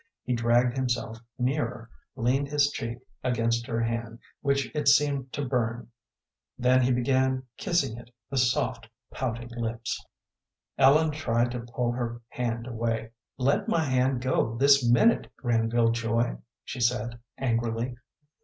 He dragged himself nearer, leaned his cheek against her hand, which it seemed to burn; then he began kissing it with soft, pouting lips. Ellen tried to pull her hand away. "Let my hand go this minute, Granville Joy," she said, angrily.